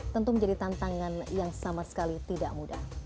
tentu menjadi tantangan yang sama sekali tidak mudah